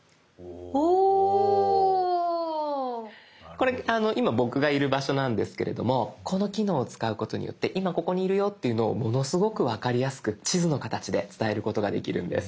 これ今僕がいる場所なんですけれどもこの機能を使うことによって今ここにいるよっていうのをものすごく分かりやすく地図の形で伝えることができるんです。